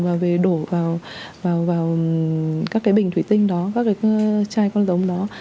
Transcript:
và đổ vào các bình thủy tinh đó các chai con giống đó